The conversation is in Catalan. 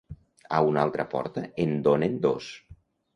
A una altra porta en donen dos!